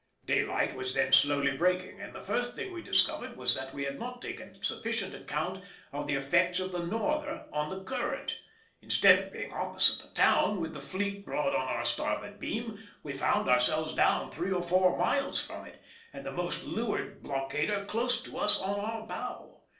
Daylight was then slowly breaking, and the first thing we discovered was that we had not taken sufficient account of the effects of the "Norther" on the current; instead of being opposite the town with the fleet broad on to our starboard beam, we found ourselves down three or four miles from it and the most leeward blockader close to us on our bow.